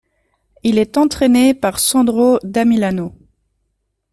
Il est entraîné par Sandro Damilano.